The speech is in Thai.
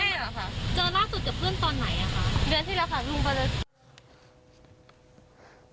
เดือนที่แล้วค่ะ